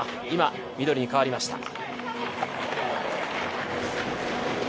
今、緑に変わりました。